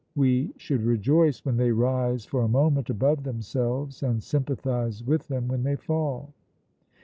We should rejoice when they rise for a moment above themselves, and sympathize with them when they fall.